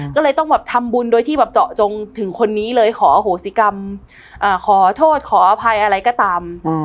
ก็เลยต้องแบบทำบุญโดยที่แบบเจาะจงถึงคนนี้เลยขอโหสิกรรมขอโทษขออภัยอะไรก็ตาม